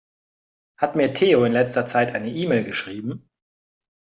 Hat mir Theo in letzter Zeit eine E-Mail geschrieben?